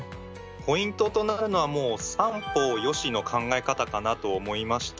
ポイントとなるのはもう三方よしの考え方かなと思いました。